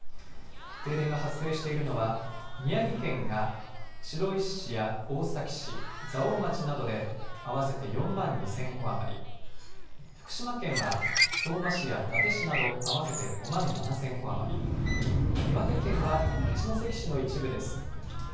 停電が発生しているのは宮城県が白石市や大崎市、蔵王町などで合わせて４万２０００戸余り、福島県は相馬市や伊達市など合わせて５万７０００戸余り、岩手県は一関市の一部です。